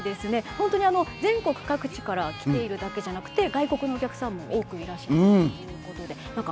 本当に全国各地から来ているだけじゃなくて外国のお客さんも多くいらっしゃってるということでああそうなんだ。